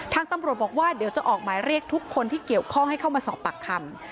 ทางตำรวจบอกว่าเดี๋ยวจะออกหมายเรียกทุกคนที่เกี่ยวข้องให้เข้ามาสอบปากคำ